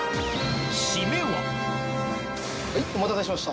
はいお待たせしました。